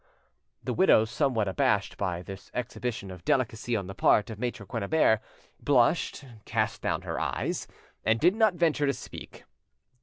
The widow, somewhat abashed by this exhibition of delicacy on the part of Maitre Quennebert, blushed, cast down her eyes, and did not venture to speak.